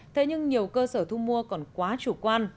thế nhưng nhiều cơ sở thu mua còn quá chủ quan